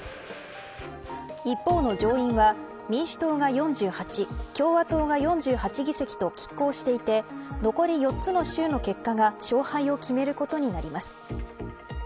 一方の上院は民主党が４８共和党が４８議席と拮抗していて残り４つの州の結果が勝敗を決めることになります。